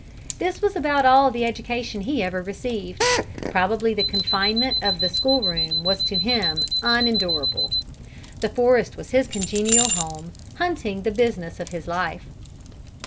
This was about all the education he ever received. Probably the confinement of the school room was to him unendurable. The forest was his congenial home, hunting the business of his life.